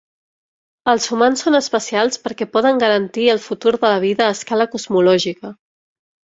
Els humans són especials perquè poden garantir el futur de la vida a escala cosmològica.